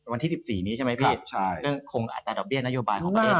วันที่๑๔นี้ใช่ไหมพี่ใช่คงอาจจะออกเบี้ยนนโยบายของประเทศไทย